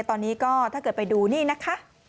ตอนนี้ก็ถ้าเกิดไปดูนี่นะคะ